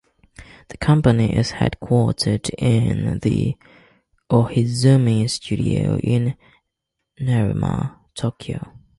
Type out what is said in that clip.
The company is headquartered in the Ohizumi Studio in Nerima, Tokyo.